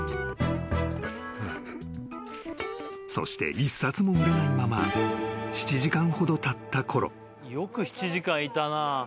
［そして一冊も売れないまま７時間ほどたったころ］